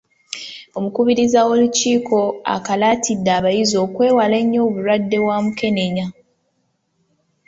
Omukubiriza w’Olukiiko akalaatidde abayizi okwewala ennyo obulwadde bwa mukenenya.